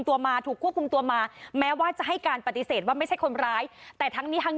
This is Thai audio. แต่ว่าคุณพระสมตวชีวิตเหล่าเขายิง